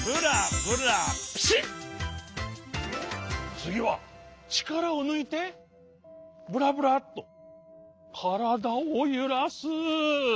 つぎはちからをぬいてブラブラッとからだをゆらす。